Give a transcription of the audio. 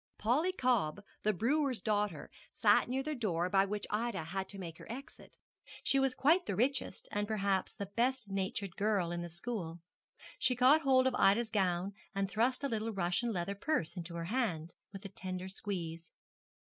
Polly Cobb, the brewer's daughter, sat near the door by which Ida had to make her exit. She was quite the richest, and perhaps the best natured girl in the school. She caught hold of Ida's gown and thrust a little Russia leather purse into her hand, with a tender squeeze.